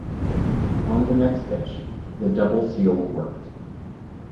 On the next pitch, the double steal worked.